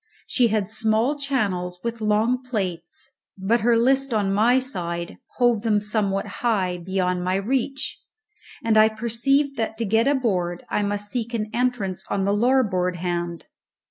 She had small channels with long plates, but her list, on my side, hove them somewhat high, beyond my reach, and I perceived that to get aboard I must seek an entrance on the larboard hand.